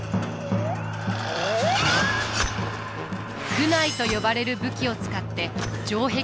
苦無と呼ばれる武器を使って城壁を登ります。